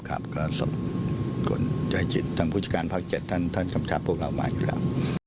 ครับครับก็สบใจจิตทางผู้จัดการภาค๗ท่านคำชาติพวกเรามาอยู่แล้ว